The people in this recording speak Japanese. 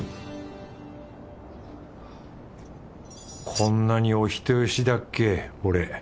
こんなにお人よしだっけ俺。